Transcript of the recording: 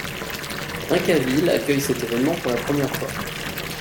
Uncasville accueille cet évènement pour la première fois.